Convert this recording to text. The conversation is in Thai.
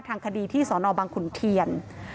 ทางคดีที่สนบังขุนเทียน